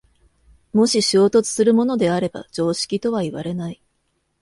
もし衝突するものであれば常識とはいわれない。